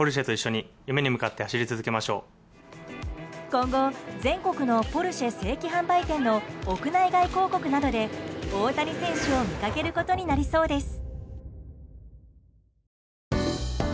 今後、全国のポルシェ正規販売店の屋内外広告などで大谷選手を見かけることになりそうです。